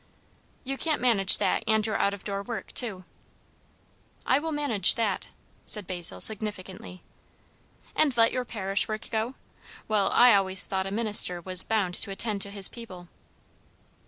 "You can't manage that and your out door work too." "I will manage that" said Basil significantly. "And let your parish work go? Well, I always thought a minister was bound to attend to his people."